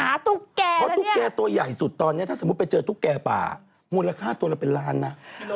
ตุ๊กแก่เพราะตุ๊กแก่ตัวใหญ่สุดตอนนี้ถ้าสมมุติไปเจอตุ๊กแก่ป่ามูลค่าตัวละเป็นล้านนะ